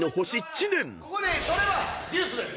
ここで取ればデュースです。